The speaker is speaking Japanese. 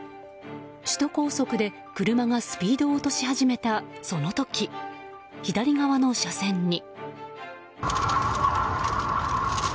首都高速で車がスピードを落とし始めたその時左側の車線に。